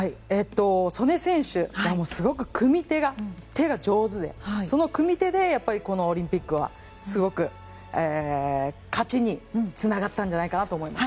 素根選手、すごく組み手が手が上手でその組み手でこのオリンピックはすごく勝ちにつながったんじゃないかなと思います。